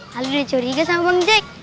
kalo dicuriga sama bang jek